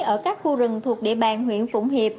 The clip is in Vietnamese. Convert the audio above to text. ở các khu rừng thuộc địa bàn huyện phụng hiệp